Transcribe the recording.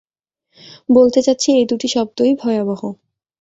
বলতে চাচ্ছি, এই দুটি শব্দই ভয়াবহ।